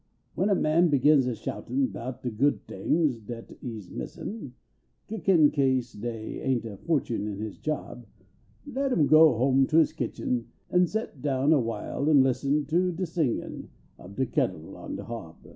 Wen a man begins a shoutin* bout de <food tings dat he s missin Kickin kase dey ain t a fortune in his job, Let im go home to his kitchen, an st t down a while an listen To de singin ob de kettle on de hob.